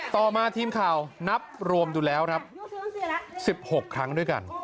ต่อมาทีมข่าวนับรวมดูแล้วครับ๑๖ครั้งด้วยกัน